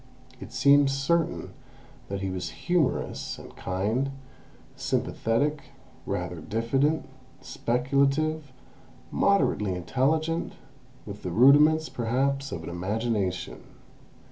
It seemed certain that he was humourous, and kind, sympathetic, rather diffident, speculative, moderately intelligent, with the rudiments perhaps of an imagination.